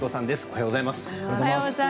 おはようございます。